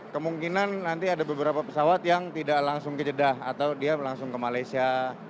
kemungkinan nanti ada beberapa pesawat yang tidak langsung ke jeddah atau dia langsung ke malaysia